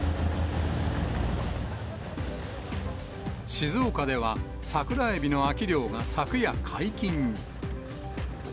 静岡では、サクラエビの秋漁が昨夜、解禁に。